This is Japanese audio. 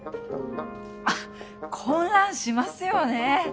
あっ混乱しますよね。